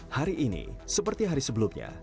hari ini seperti hari sebelumnya